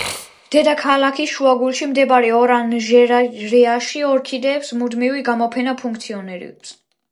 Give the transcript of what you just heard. დედაქალაქის შუაგულში მდებარე ორანჟერეაში ორქიდეების მუდმივი გამოფენა ფუნქციონირებს.